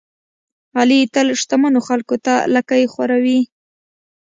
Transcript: علي تل شتمنو خلکوته لکۍ خوروي.